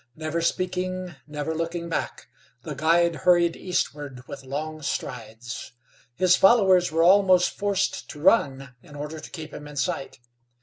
Never speaking, never looking back, the guide hurried eastward with long strides. His followers were almost forced to run in order to keep him in sight.